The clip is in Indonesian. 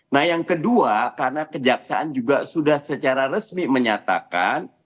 nah yang kedua karena kejaksaan juga sudah secara resmi menyatakan